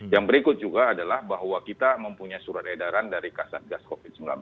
yang berikut juga adalah bahwa kita mempunyai surat edaran dari kasat gas covid sembilan belas